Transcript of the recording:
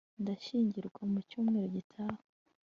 ndashyingirwa mu cyumweru gitaha